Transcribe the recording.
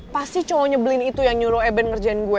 pasti cowok nyebelin itu yang nyuruh eben ngerjain gue